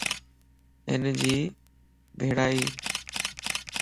ھن جي ڀيڙائي؟